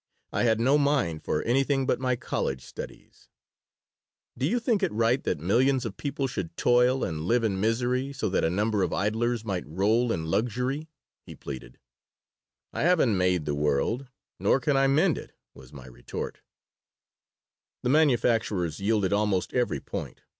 I had no mind for anything but my college studies "Do you think it right that millions of people should toil and live in misery so that a number of idlers might roll in luxury?" he pleaded "I haven't made the world, nor can I mend it," was my retort The manufacturers yielded almost every point.